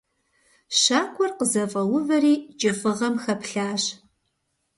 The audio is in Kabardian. Щакӏуэр къызэфӏэувэри кӏыфӏыгъэм хэплъащ.